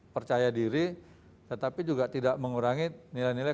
percaya diri tetapi juga tidak mengurangi nilai nilai